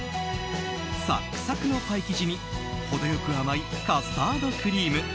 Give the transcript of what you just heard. サックサクのパイ生地に程良く甘いカスタードクリーム。